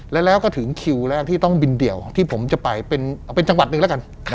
แล้วก็ถึงคิวแรกที่ต้องบินเดี่ยวที่ผมจะไปเอาเป็นจังหวัดหนึ่งแล้วกัน